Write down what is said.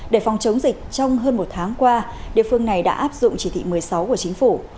để phòng chống dịch trong hơn một tháng qua địa phương này đã áp dụng chỉ thị một mươi sáu của chính phủ